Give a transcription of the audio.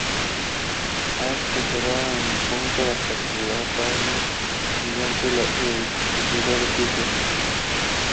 Haase se quedó en el búnker hasta la tarde siguiente al suicidio de Hitler.